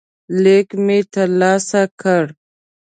لیک مې ترلاسه کړ.